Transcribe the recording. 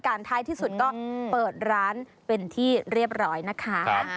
ท้ายที่สุดก็เปิดร้านเป็นที่เรียบร้อยนะคะ